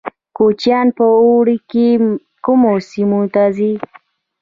کوچیان په اوړي کې کومو سیمو ته ځي؟